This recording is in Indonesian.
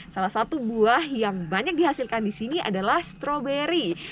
salah satu buah yang banyak dihasilkan di sini adalah stroberi